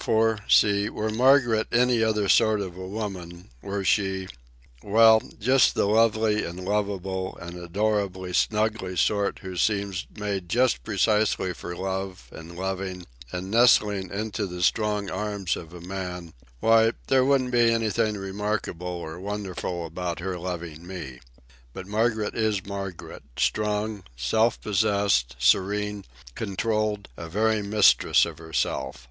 For see, were Margaret any other sort of a woman, were she ... well, just the lovely and lovable and adorably snuggly sort who seem made just precisely for love and loving and nestling into the strong arms of a man—why, there wouldn't be anything remarkable or wonderful about her loving me. But Margaret is Margaret, strong, self possessed, serene, controlled, a very mistress of herself.